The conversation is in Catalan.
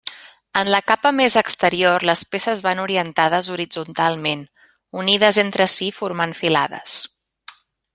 En la capa més exterior les peces va orientades horitzontalment, unides entre si formant filades.